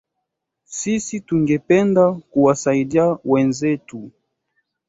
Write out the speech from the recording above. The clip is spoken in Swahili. sisi tungependa kuwasaidia wenzetu